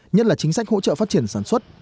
nhất là chính sách hỗ trợ phát triển sản xuất